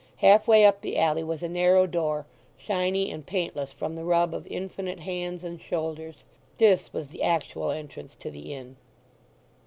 Half way up the alley was a narrow door, shiny and paintless from the rub of infinite hands and shoulders. This was the actual entrance to the inn.